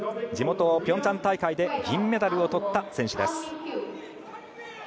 地元・ピョンチャン大会で銀メダルをとった選手です。